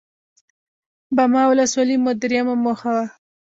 باما ولسوالي مو درېيمه موخه وه.